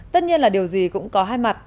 tất nhiên là điều gì cũng có hai mặt